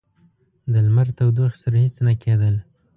د لمر تودوخې سره هیڅ نه کېدل.